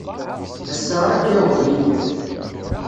Ass-a ara d-yaweḍ Yidir.